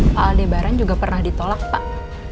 pak aldebaran juga pernah ditolak pak